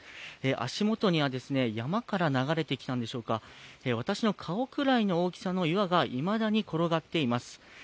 足元には山から流れてきたのでしょうか、私の顔くらいの大きさの岩がいまだに転がっています。